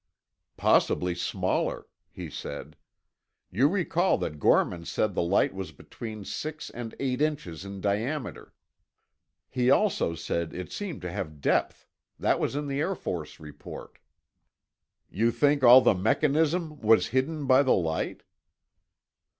"Possibly smaller," he said. "You recall that Gorman said the light was between six and eight inches in diameter. He also said it seemed to have depth—that was in the Air Force report." "You think all the mechanism was hidden by the light?"